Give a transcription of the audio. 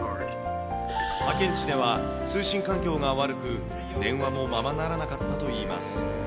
派遣地では通信環境が悪く、電話もままならなかったといいます。